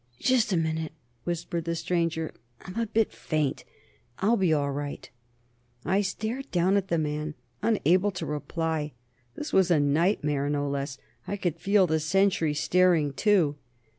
"Just ... a moment," whispered the stranger. "I'm a bit faint.... I'll be all right...." I stared down at the man, unable to reply. This was a nightmare; no less. I could feel the sentry staring, too.